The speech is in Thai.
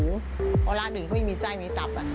เพราะร้านอื่นเขาไม่มีไส้มีตับ